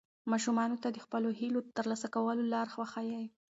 ماشومانو ته د خپلو هیلو د ترلاسه کولو لار وښایئ.